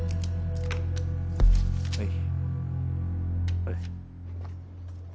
はい。